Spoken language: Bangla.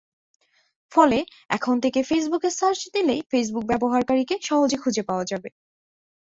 ফলে এখন থেকে ফেসবুকে সার্চ দিলেই ফেসবুক ব্যবহারকারীকে সহজে খুঁজে পাওয়া যাবে।